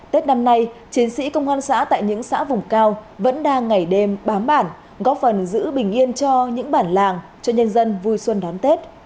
tết năm nay chiến sĩ công an xã tại những xã vùng cao vẫn đang ngày đêm bám bản góp phần giữ bình yên cho những bản làng cho nhân dân vui xuân đón tết